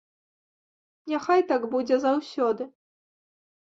Няхай так будзе заўсёды.